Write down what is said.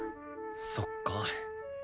そっか。